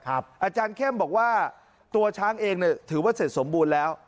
อาจารย์เข้มบอกว่าตัวช้างเองถือว่าเสร็จสมบูรณ์แล้ว